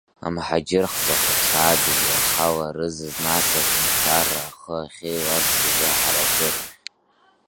Амҳаџьыр хҵәа-хыԥсаа дызлахаларызыз, нас аҳәынҭқарра ахы ахьеиларсыз аҳаракырахь?